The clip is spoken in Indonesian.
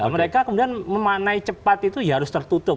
mereka kemudian memanai cepat itu ya harus tertutup